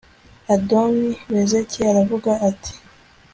adoni bezeki aravuga ati